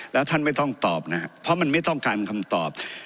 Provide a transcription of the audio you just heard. แล้วท่านไม่ต้องตอบนะครับเพราะมันไม่ต้องการคำตอบ